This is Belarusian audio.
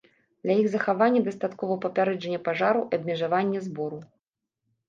Для іх захавання дастаткова папярэджання пажараў і абмежавання збору.